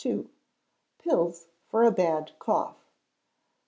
Pills for a Bad Cough.